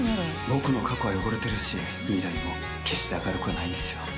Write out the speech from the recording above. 僕の過去も汚れてるし未来も決して明るくはないんですよ。